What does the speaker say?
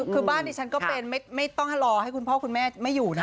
คือบ้านดิฉันก็เป็นไม่ต้องรอให้คุณพ่อคุณแม่ไม่อยู่นะ